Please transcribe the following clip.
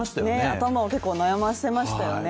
頭を結構悩ませましたよね。